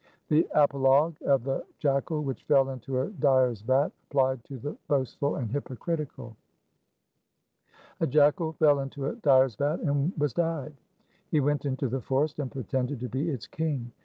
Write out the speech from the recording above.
3 The apologue of the jackal which fell into a dyer's vat applied to the boastful and hypocritical. A jackal fell into a dyer's vat and was dyed. He went into the forest and pretended to be its king.